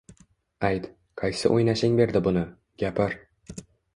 Ayt, qaysi o`ynashing berdi buni, gapir